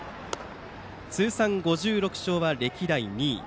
通算５６勝は歴代２位。